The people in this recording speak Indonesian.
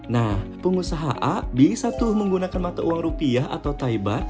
nah pengusaha a bisa tuh menggunakan mata uang rupiah atau taibat